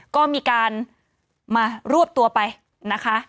ก็มีการมารวบตัวไปนะคะ